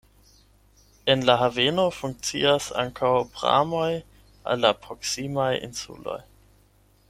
En la haveno funkcias ankaŭ pramoj al la proksimaj insuloj.